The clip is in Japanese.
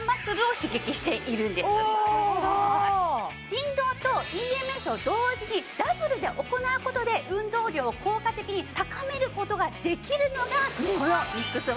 振動とＥＭＳを同時にダブルで行う事で運動量を効果的に高める事ができるのがこのミックス